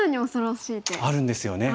あるんですよね。